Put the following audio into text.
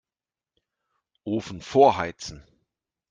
Ofen vorheizen.